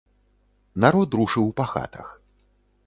Народ рушыў па хатах.